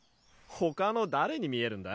ほかの誰に見えるんだ？